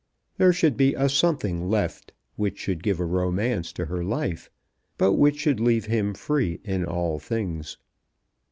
There should be a something left which should give a romance to her life, but which should leave him free in all things.